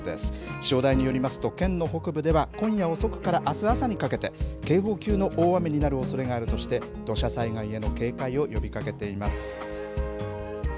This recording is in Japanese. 気象台によりますと県の北部では今夜遅くから、あす朝にかけて警報級の大雨になるおそれがあるとして土砂災害への警戒を呼びかけています。